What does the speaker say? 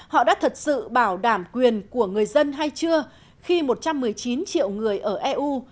họ đã thật sự bảo đảm quyền của người dân hay chưa khi một trăm một mươi chín triệu người ở eu